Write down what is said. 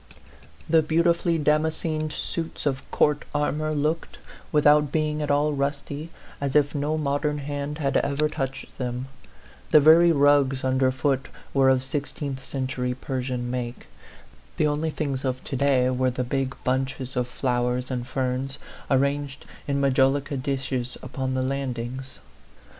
The beautifully damas cened suits of court armor looked, without being at all rusty, as if no modern hand had ever touched them; the very rugs under foot were of sixteenth century Persian make ; the only things of to day were the big bunches of flowers and ferns, arranged in majolica dishes upon the landings.